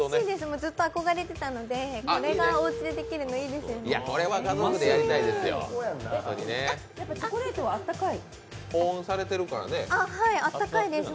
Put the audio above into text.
ずっと憧れてきたんでこれがおうちでできるの、いいですよね。